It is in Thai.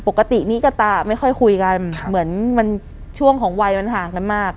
ปกตินี้ก็ตาไม่ค่อยคุยกันเหมือนมันช่วงของวัยมันห่างกันมาก